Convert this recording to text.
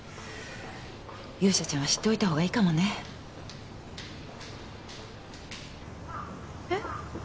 勇者ちゃんは知っておいた方がいいかもねえっ